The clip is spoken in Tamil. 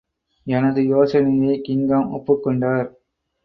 எனது யோசனையை கிங்காங் ஒப்புக் கொண்டார்.